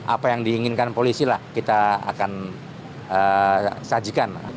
apa yang diinginkan polisi lah kita akan sajikan